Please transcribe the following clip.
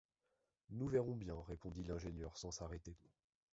Nous verrons bien, » répondit l’ingénieur sans s’arrêter.